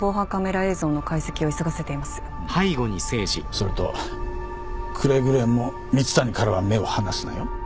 それとくれぐれも蜜谷からは目を離すなよ。